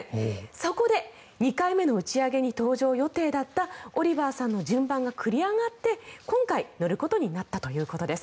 そこに２回目の打ち上げに搭乗予定だったオリバーさんの順番が繰り上がって今回乗ることになったということです。